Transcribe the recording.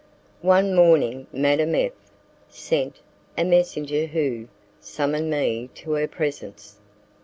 One morning Madame F sent, a messenger who, summoned me to her presence.